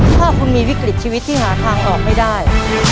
ถ้าคุณมีวิกฤตชีวิตที่หาทางออกไม่ได้